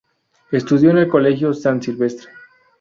Estudió en el Colegio San Silvestre.